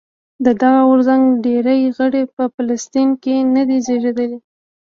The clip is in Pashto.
د دغه غورځنګ ډېری غړي په فلسطین کې نه دي زېږېدلي.